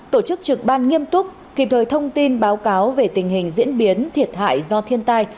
tổ chức trực ban nghiêm túc kịp thời thông tin báo cáo về tình hình diễn biến thiệt hại do thiên tai